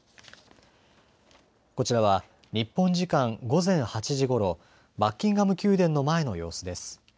こちらは日本時間午前８時ごろ、バッキンガム宮殿の前の様子です。